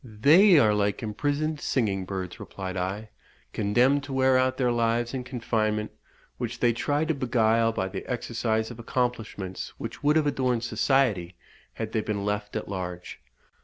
"They are like imprisoned singing birds," replied I, "condemned to wear out their lives in confinement, which they try to beguile by the exercise of accomplishments which would have adorned society had they been left at large."